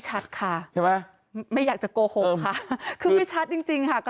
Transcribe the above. ชัดค่ะใช่ไหมไม่อยากจะโกหกค่ะคือไม่ชัดจริงจริงค่ะก็